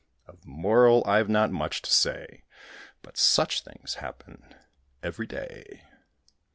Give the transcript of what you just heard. Of moral I've not much to say: But such things happen every day.